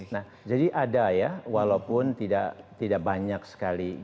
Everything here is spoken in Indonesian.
nah jadi ada ya walaupun tidak banyak sekali